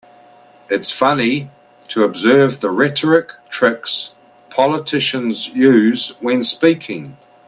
It's funny to observe the rhetoric tricks politicians use when speaking.